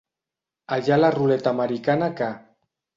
Allà a la ruleta americana que.